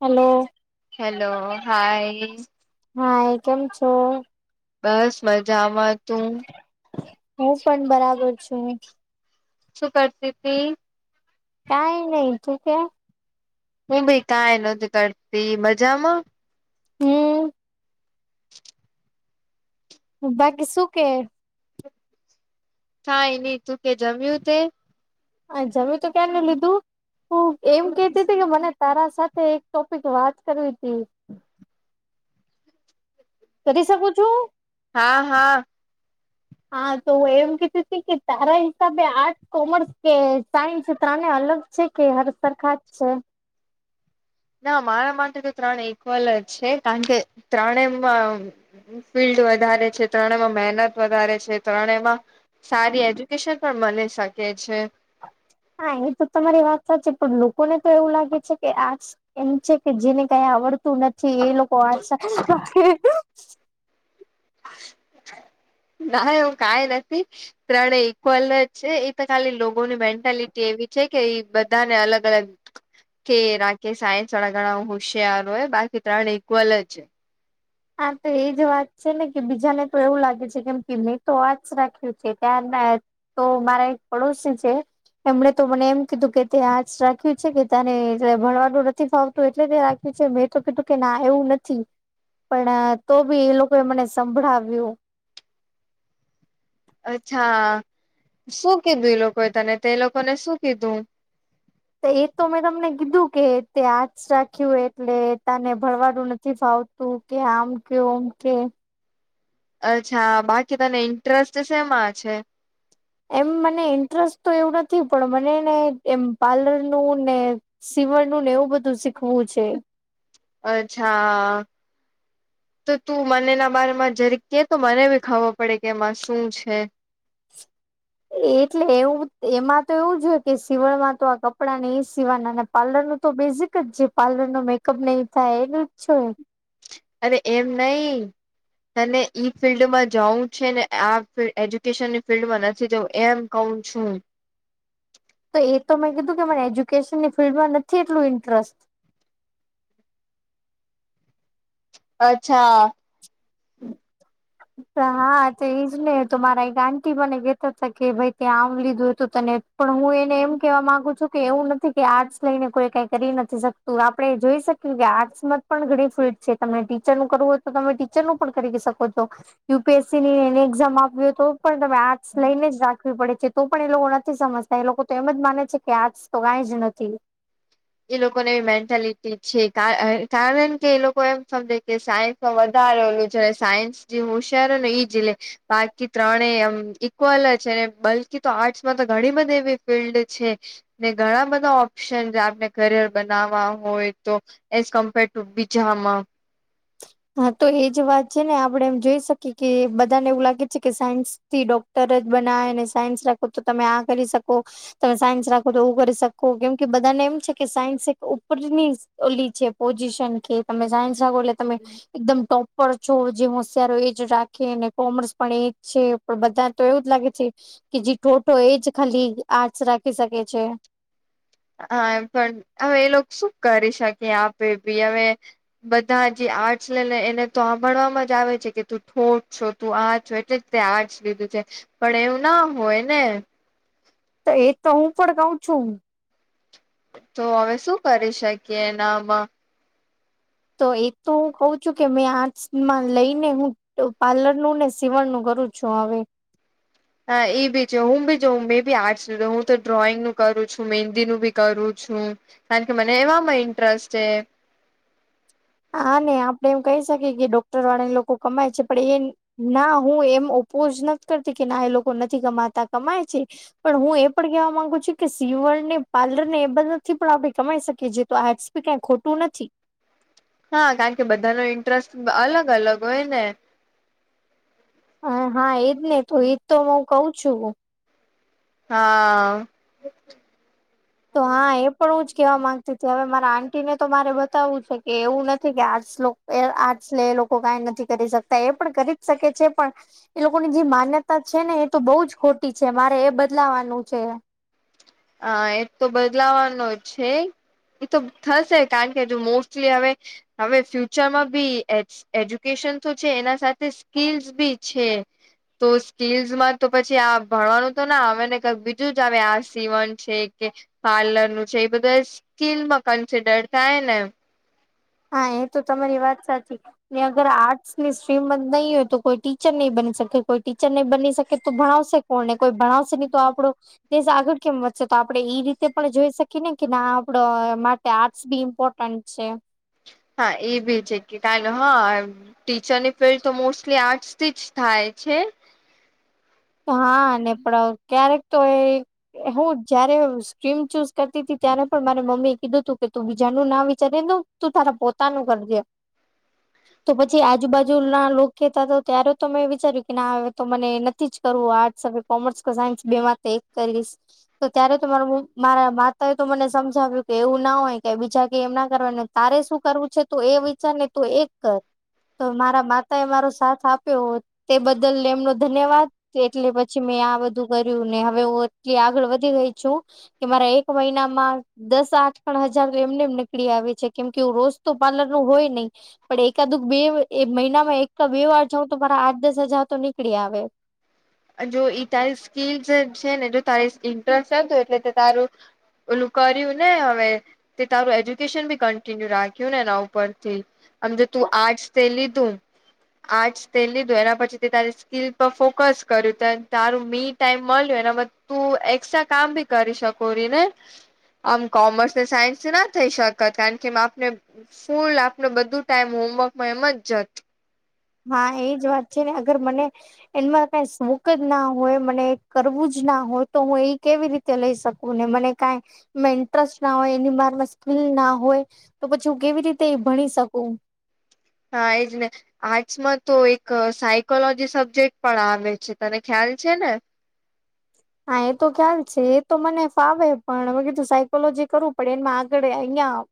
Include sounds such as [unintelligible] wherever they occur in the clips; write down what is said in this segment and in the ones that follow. Hello hello hi હા એ કેમ છો? બસ મજામાં તું? હું પણ બરાબર છું. શું કરતી તી કાઈ નહી તું કે? હું ભી કાઈ નથી કરતી મજામાં હમ [inaudible] બાકી સુ કે કાઈ નહી તું કે જમ્યું તે? હા જમી તો ક્યારનું લીધું હું એમ કેતી હતી કે મને તારા સાથે એક ટોપિક વાત કરવી હતી કરી શકું છું? હા હા. [unintelligible] હા તો એમ કેહતી તી કે તારા હિસાબે આર્ટ કોમર્સ કે સાયન્સ ત્રાને અલગ છે કે હર સરખા જ છે? ના મારા માટે તો ત્રણ ઇક્વલ જ છે કારણ કે ત્રણે એમ ફિલ્ડ વધારે છે ત્રણેમાં મહેનત વધારે છે ત્રણેમાં સારી એજ્યુકેશન પણ મળી શકે છે હા એ તો તમારી વાત સાચી પણ લોકોને તો એવું લાગે છે કે આર્ટસ એમ છે કે જેને કઈ આવડતું નથી એ લોકો આર્ટસ [unintelligible] ના એવું કઈ નથી ત્રણે ઈક્વલ જ છે એ તો ખાલી લોકોની મેન્ટાલિટી એવી છે કે બધાને અલગ અલગ કે રાકે સાયન્સ ઘણા હુશયારો હોય બાકી ત્રણ ઇક્વલ જ છે. હા તો એ જ વાત છે ને કે બીજાને તો એવું લાગે છે કેમ કે મે તો આર્ટસ જ રાખ્યું છે તાર તો મારા એક પડોશી છે. એમણે તો મને એમ કીધું કે તે આર્ટસ રાખ્યું છે કે તને એટલે ભણવાનું નથી ફાવતું એટલે રાખ મેં તો કીધું કે ના એવું નથી પણ તો બી એ લોકો એ મને સંભળાવ્યું અચ્છા શું કીધું એ લોકોએ તને તે લોકોને શું કીધું. એ તો મેં તમને કીધું કે તે આર્ટસ રાખ્યું એટલે તને ભણવાનું નથી ફાવતું તું કે આમ કે ઓમ કે અચ્છા બાકી તને ઇન્ટરેસ્ટ શેમાં છે. એમ મને ઇન્ટરેસ્ટ તો એવું નથી પણ મને ને એમ પાર્લરનું ને સિવણનું ને એવું બધું શીખવું છે. અચ્છા. તો તું મને એના બારમાં જરી કે તો મને બી ખબર પડે કે એમાં શું છે. એટલે એવું એમાં તો એવું જ હોય કે સિવાણ માં તો આ કપડાં ને એ સિવાના પાર્લર નું તો બેઝિક જ છે પાર્લર નો મેકઅપ ન એ થાય એનું ઈચ્છો અરે એમ નઈ અને ઈ ફિલ્ડમાં જવું છે ને આ ફિલ્ડ એજ્યુકેશનની ફિલ્ડમાં નથી જવું એમ કઉ છું. તો એ તો મેં કીધું કે મને એજ્યુકેશનની ફિલ્ડમાં નથી એટલું ઇન્ટરેસ્ટ અચ્છા [inaudible] હા તો એજ નહ તો મારા એક આંટી મને કહેતા હતા કે ભાઈ ત્યાં આમ લીધું હતું તને પણ હું એને એમ કેવા માંગુ છું કે એવું નથી કે આર્ટસ લઈને કોઈ કઈ કરી નથી શકત તો આપડણે જોઈ શકીય કે આર્ટ્સમાં જ પણ ઘણી ફિલ્ડ છે તમને ટીચરનું કરવું હોય તો તમે ટીચરનું પણ કરી શકો છો યુપીએસસી ની એની એક્ઝામ આપવી હો તો પણ તમે આર્ટ્સ લઈને જ રાખવી પડે છે. તો પણ એ લોકો નથી સમજતા એ લોકો તો એમ જ માને છે કે આજ તો કંઈ જ નથી એ લોકોનેવી મેન્ટાલિટી છે કારણ કે એ લોકો એમ સમજે કે સાયન્સમાં વધારેલું છે સાયન્સ જે હોશયાર ને એઈ જી બાકી ત્રણે એમ ઇક્વલ છે ને બલ્કી તો આર્ટસમાં તો ઘણી બધી એવી ફિલ્ડ છે ને ઘણા બધા ઓપ્શન આપને કરિયર બનાવવા હોય તો એઝ કમ્પેર ટુ બીજામાં હા તો એજ વાત છે ને આપડે એમ જોઈ શકીએ કે બધાને એવું લાગે છે કે સાયન્સ થી ડોક્ટર જ બનાવેને સાયન્સ રાખો તો તમે આ કરી શકો તમે સાયન્સ રાખો તો એવું કરી શકો કેમ કે બધાને એમ છે કે સાયન્સ એક ઉપરની ઓલી છે પોઝિશન કે તમે સાયન્સ રાખો એટલે તમે એકદમ ટોપ પર છો જે હું સારો એજ રાખે ને કોમર્સ પણ એજ છે પણ બધા તો એવું જ લાગે છે કે જે ઠોઠો એજ ખાલી આર્ટસ રાખી શકે છે હા એ પણ હવે એ લોકો શું કરી શકે આપણે બી હવે બધા જે આર્ટસ લે લને એને તો સાંભળવામાં જ આવે છે કે તું ઠોઠ છો તું આ છે એટલે જ તે આ જ લીધું છે પણ એવું ના હોય ને તો એ તો હું પણ કઉ છું તો હવે શું કરી શકીએ એનામાં તો એ તો હું કઉ છું કે મેં આર્ટમાં લઈને હું તો પાર્લર નું ને સીવણનું કરું છું હવે હા એ બી છે હું બી જોઉં મે બી આર્ટસ હું તો ડ્રોઈંગ નું કરું છું મેહંદી નું બી કરું છું કારણ કે મને એવામાં ઇન્ટરેસ્ટ છે હા ને આપડે એમ કહી શકીએ કે ડોક્ટર વાળાને લોકો કમાય છે પણ એ ના હું એમ ઓપોઝ નથી કરતી કે ના એ લોકો નથી કમાતા કમાય છે. પણ હું એ પણ કેવા માંગુ છું કે સીવર ને પારલર ને એ બધા નથી પણ આપણે કમાઈ શકીએીએ તો આ કંય ખોટું નથી હા કારણ કે બધા ન ઇન્ટરેસ્ટ અલગ અલગ હોય ને હ હા એજ ને તું એજ તો હું કઉ છુ. હા તો હા એ પણ હ જ કેવા માંગતી હતી હવે મારા આંટીને તો મારે બતાવવું છે કે એવું નથી કે આજલો એ આર્ટ લ એ લોકો કઈ નથી કરી શકતા એ પણ કરી જ શકે છે પણ એ લોકોની જે માન્યતા છે ને એ તો બહુ જ ખોટી છે મારે એ બદલાવાનું છે. હા એ તો બદલાવાનો જ છે. એ તો થશે કારણ કે મોસ્ટલી હવે હવે ફ્યુચરમાં બી એ એજ્યુકેશન તો છે એના સાથે સ્કીલ્સ બી છે. તો સ્કીલસમાં તો પછી આ ભણવાનું તો ના આવે ને કક બીજું જ આવે આ સીવન કે પાર્લર નું છે એ બધું સ્કીનમાં કન્સિડર થાય નેમ હા એ તો તમારી વાત સાચી અગર આર્ટ્સ ની સ્ટ્રીમ બ નહી હોય તો કોઈ ટીચર નહી બની શકે કોઈ ટીચર નહી બની શકે તો ભણાવ શકે કોને કોઈ ભણાવશે નહી તો આપડો દેશ આગળ કે તો આપડે ઈ રીતે પણ જોઈ શકીએ ને કે ના આપડ માટે આર્ટસ બી ઇમ્પોર્ટન્ટ છે. હા એઈ ભી છે કે ક હ ટીચરની ફિલ્ડ તો મોસ્ટલી આર્ટસ થી જ થાય છે. હા ને પણ ક્યારેક તો એ હુ જયારે સ્ટ્રીમ ચૂઝ કરતી ત હતી, ત્યારે પણ મારે મમ્મી એ કિધુ તુ કે તુ બીજાનું ના વિચારી દઉ તું તારા પોતાનું કરજે તો પછી આજુબાજુ ના લોકો કતા હતા ત્યારે તો મેં વિચાર્યું કે ના હવે તો મને નથી જ કર હું આર્ટસ હ કોમર્સ કે સાયન્સ બે તો એક કરીશ તો ત્યારે તો મારું મારા માતાએ તો મને સમજાવ્યું કે એવું ના હોય કે બીજા ક એમ ના કરવાને તારે શું કરવું છે તો એ વિચાર ને તો એક કર તો મારા માતા એ મારો સાથ આપ્યો તે બદલ ને એમનો ધન્યવાદ એટલે પછી મેં આ બધું કર્યું ને હવે હું એટલી આગળ વધી ગઈ છુ. કે મારા એક મહિનામા દસ આઠ પણણ હજાર એમનેમ નીકળી આવે છે, કેમ કેું રોજ તો પાર્લર નું હોય નહી. પણ એકાદુ બે મહિનામાં એક બે વાર જઉં તો મારા આઠ દસ હજાર તો નીકળી આવે જો તારી સ્કીલ છે ને જો ત ઇન્ટરેસ્ટ આવતો એટલે તારુ ઓલું કર્યું ને હવે તે તારું એજ્યુકેશન બી કન્ટિન્યુ રાખ્યું ને એના ઉપરથી આમ તો તું આર્ટસ તે લીધું આર્ટસ તે લીધો એના પછી તે તારી સ્કીલ પર ફોકસ કર્યું ત તારું મી ટાઈમ મળ્યું એનામા તું એકક્સ્ટ્રા કામ ભી કરી શકો ર ને આમ કોમર્સ ને સાયન્સથી ના થઈ શકત કારણ કે આપને ફૂલ આપને બધું ટાઈમ હોમવર્કમાં એમ જ જાત. હા એજ વાત છેને, અગર મને એમાં કઈ શોક જ ના હોય, મને કરવું જ ના હોય તો હું એ કેવી રીતે લઈ શકું ને મને કાઈ ઇન્ટરેસ્ટ ના હોય એની માર સ્કીલ ના હોય. તો પછી હું કેવી રીતે ભણી શકુ હા એ જ ને. આર્ટ્સ માં તો એક સાયકોલોજી સબ્જેક્ટ પણ આવે છે. તને ખ્યાલ છેને. હા એ તો ખ્યાલ છે એ તો મને ફાવે પણ હ કીધું સાયકોલોજી કરવું પડે એમાં આગળ અહીયાં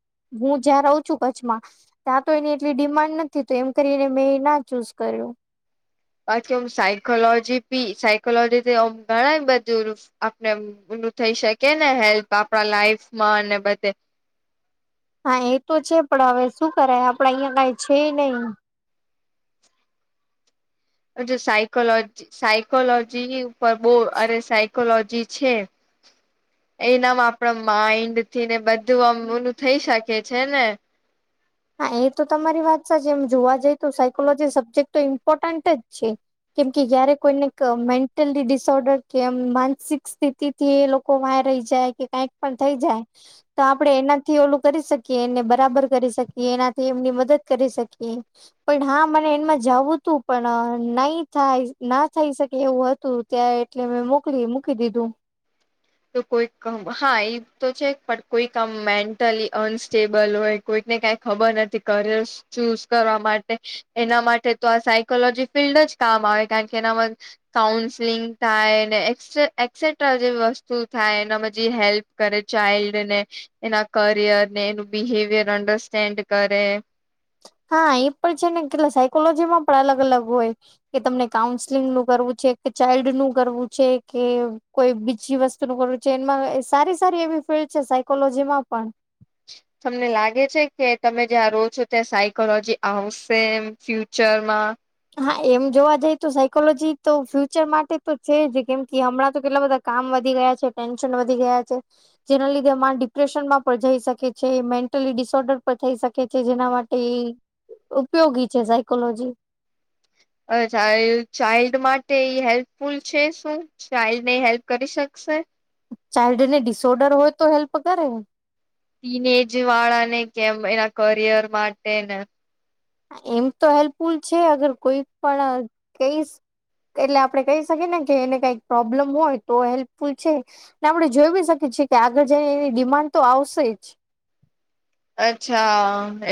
હું જ્યાં રહું છુ, કચ્છમા ત્યાં તો એની એટલી ડિમાન્ડ નથી તું એમ કરીને મેં એ ના ચૂઝ કર્યુ બાકી એમ સાયકોલોજી સાયકોલોજી થી આમ ઘણુ બધું આપને ઓલું થઈ શકે ને હેલ્પ આપણા લાઈફમાં અને બધે. હા એ તો છે પણ હવે શું કરાય આપડા અહિયાં કઈ છે નહી. અવે સાયકોલોજી સાયકોલોજી પર બો અરે સાય સાયકોલોજી છે એ નામ આપ માઈન્ડ થી ને બધું આમ નું ઓલુ થઈ શકે છે ને. હા એ તો તમારી વાત સાચી એમ જોવા જઈ તો સાયકોલોજી સબ્જેક્ટ તો ઇમ્પોર્ટન્ટ જ છે. કેમ કે જયારે કોઈને મેન્ટલી ડિસઓર્ડર કે એમ માનસિક સ્થિતિ. થી એ લોકો વાહ રય જાય કે કઈક પણ થઈ જાય. તો આપડે એના થી ઓલું કરી શકીએ એને બરાબર કરી શકીએ. કે એનાથી એમની મદદ કરી શકીએ. પણ હા મને એમાં જવું હતું પણ નહી થાય ના થઈ શકે એવું હતું. ત્યાં એટલે મેં મોકલી મૂકી દીધું. તો કોઈક હા એ તો છે પણ કોઈ આમ મેન્ટલી અનસ્ટેબલ હોય. કોઈકને કઈ ખબર નથી કરિયર ચૂઝ કરવા માટે એના માટે તો આ સાયકોલોજી ફિલ્ડ જ કામ આવે કારણ કે એનામાં કાઉન્સલિંગ થાય ને એક્સેટ્રા જે વસ્તુ વસ્તુ થાય એનામાં જે હેલ્પ કરે ચાઇલ્ડ ને એના કરિયર ને એનું બિહેવિયર અન્ડરસ્ટેન્ડ કરે. હા એ પણ છે ને કેટલા સાયકોલોજી માં પણ અલગ અલગ હોય. કે તમને કાઉન્સલિંગ નું કરવું છે કે, ચાઇલ્ડ નું કરવું છે કે કોઈ બીજી વસ્તુ નુ કરવું છે એમાં સારી સારી એવી ફિલ્ડ છે સાયકોલોજીમાં પણ. તમને લાગે છે કે તમે જ્યાં રો છો ત્યાં સાયકોલોજી આવશે એમ ફ્યુચરમાં? હા એમ જોવા જઈ તો સાયકોલોજી તો ફ્યુચર માટે તો છે જ કેમ કે હમણાં તો કેટલા બધા કામ વધી ગયા છે, ટેન્શન વધી ગયા છે. જેના લીધે મા ડિપ્રેશનમાં પણ જઈ શકે છે, મેન્ટલી ડિસઓર્ડર પણ થઈ શકે છે જેના માટે એ ઉપયોગી છે સાયકોલોજી. અચ્છા. ચાઇલ્ડ માટે હેલ્પફુલ છે શું? ચાઇલ્ડ ની હેલ્પ કરી શકશે? ચાઇલ્ડ ને ડિસઓર્ડર હોય તો હેલ્પ કરે. ટીનએજ વાળા ને કે એમ એના કરિયર માટે ને. હા એમ તો હેલ્પફુલ છે અગર કોઈ પણ કેસ એટલે આપડે કેય શકીએ ને કે એને કઈક પ્રોબ્લમ હોય તો હેલ્પફુલ છે. ને આપડે જોઈ બી શકીએ છીએ કે આગળ જઈ એની ડિમાન્ડ તો આવશે જ. અચ્છા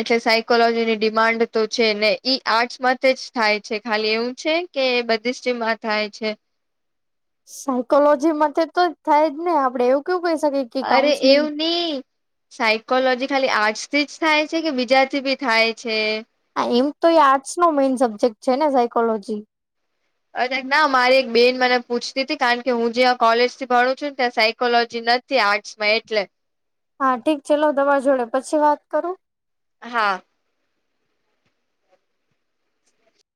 એટલે સાયકોલોજીની ડિમાન્ડ તો છે ને ઈ આર્ટસમાં જ થાય છે ખાલી એવું છે કે બધી જ સ્ટ્રીમમાં થાય છે. સાયકોલોજી માટે તો થાય જ ને આપડે એવું કેવું કહી શકીએ કે અરે કાઉન્સલિંગ એવું ની. સાયકોલોજી ખાલી આટૅસ થી જ થાય છે કે બીજાથી બી થાય છે? હા એમ તો એ આર્ટસ માં મેઈન સબ્જેક્ટ છે ને સાયકોલોજી. અરે ના મારી એક બેન મને પૂછતી હતી કારણ કે હું જ્યાં કોલેજ થી ભણું છું ને ત્યાં સાયકોલોજી નથ નથી આર્ટસ માં એટલે હા ઠીક ચલો તમાર જોડે પછી વાત કરું. હા.